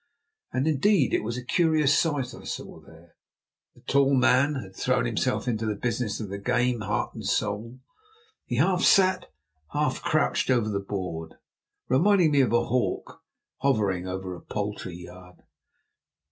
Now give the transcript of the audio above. And, indeed, it was a curious sight I saw there. The tall man had thrown himself into the business of the game, heart and soul. He half sat, half crouched over the board, reminding me of a hawk hovering over a poultry yard.